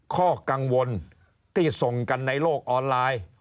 ข้อกังวลที่ส่งกันในโลกออนไลน์